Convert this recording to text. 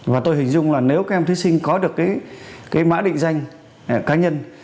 và tôi hình dung là nếu các em thí sinh có được cái mã định danh cá nhân